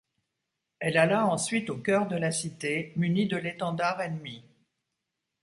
Elle alla ensuite au cœur de la cité munie de l'étendard ennemi.